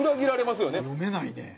読めないね。